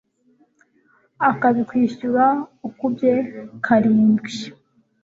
akabikwishyura ukubye karindwi